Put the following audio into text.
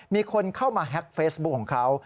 มีคนเข้ามาแฮ็กเฟซบุ๊คของเขา